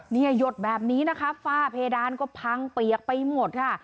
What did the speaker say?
หยดแบบนี้นะคะฝ้าเพดานก็พังเปียกไปหมดค่ะ